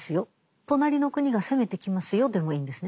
「隣の国が攻めてきますよ」でもいいんですね。